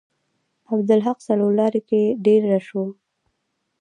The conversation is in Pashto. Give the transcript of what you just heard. عبدالحق څلور لارې کې ډیر رش و.